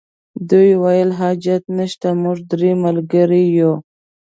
ده وویل حاجت نشته موږ درې ملګري یو.